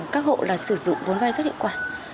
các hộ là sử dụng vốn vay rất hiệu quả